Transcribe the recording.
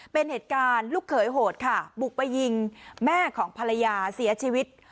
เป็นเหตุการณ์ลูกเขยโหดค่ะบุกไปยิงแม่ของภรรยาเสียชีวิต